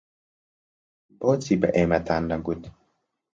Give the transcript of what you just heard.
بۆچی بە ئێمەتان نەگوت؟